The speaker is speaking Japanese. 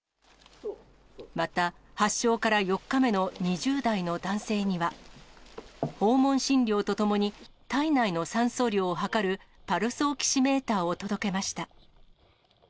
また、発症から４日目の２０代の男性には、訪問診療とともに、体内の酸素量を測るパルスオキシメーターを届けました。